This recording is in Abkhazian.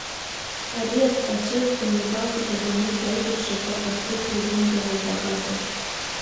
Ари ацәырҵра иуникалтәыз, адунеитәи аибашьрақәа рԥышәа иазымдыруаз акакәын…